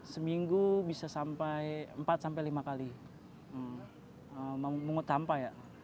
seminggu bisa sampai empat lima kali mengutampai